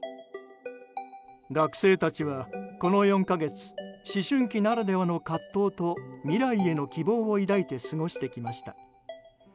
学生たちは、この４か月思春期ならではの葛藤と未来への希望を抱いて過ごしてきました。